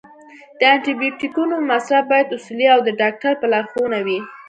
د انټي بیوټیکونو مصرف باید اصولي او د ډاکټر په لارښوونه وي.